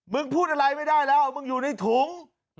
พูดอะไรไม่ได้แล้วมึงอยู่ในถุง